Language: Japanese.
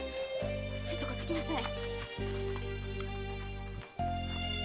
ちょっとこっち来なさい。